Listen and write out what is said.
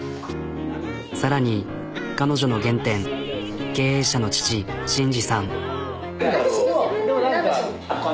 更に彼女の原点経営者の父真二さん。ははっ。